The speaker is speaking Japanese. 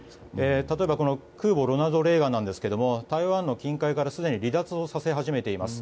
例えば、空母「ロナルド・レーガン」なんですけれども台湾の近海からすでに離脱させ始めています。